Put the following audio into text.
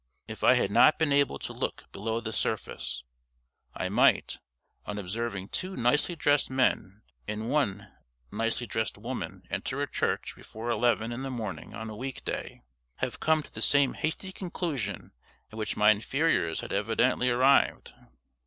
If I had not been able to look below the surface, I might, on observing two nicely dressed men and one nicely dressed woman enter a church before eleven in the morning on a week day, have come to the same hasty conclusion at which my inferiors had evidently arrived.